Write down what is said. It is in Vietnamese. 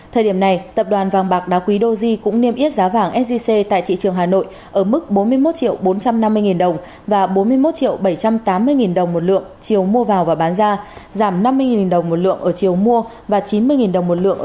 thời điểm này tập đoàn vàng bạc đá quý doji cũng niêm yết giá vàng sgc tại thị trường hà nội ở mức bốn mươi một triệu bốn trăm năm mươi đồng và bốn mươi một triệu bảy trăm tám mươi đồng một lượng